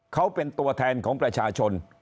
เขาเป็นตัวแทนของประชาชน